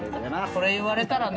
それ言われたらね。